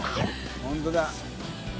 本当だ。